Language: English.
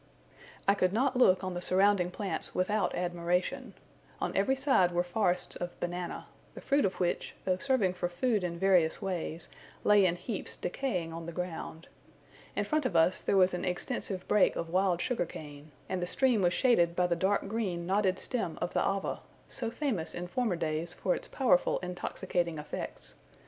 I could not look on the surrounding plants without admiration. On every side were forests of banana; the fruit of which, though serving for food in various ways, lay in heaps decaying on the ground. In front of us there was an extensive brake of wild sugar cane; and the stream was shaded by the dark green knotted stem of the Ava, so famous in former days for its powerful intoxicating effects.